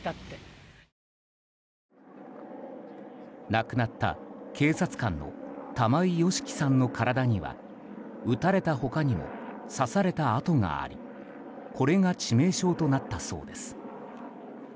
亡くなった警察官の玉井良樹さんの体には撃たれた他にも刺された痕がありこれが致命傷となったそうです。